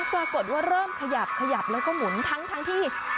ปรากฏว่าเริ่มขยับขยับแล้วก็หมุนทั้งที่